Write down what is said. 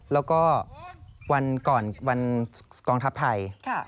แล้วก็วันก่อนวันกองทัพไทย